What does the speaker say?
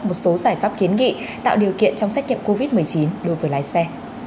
một số giải pháp kiến nghị tạo điều kiện trong xét nghiệm covid một mươi chín đối với lái xe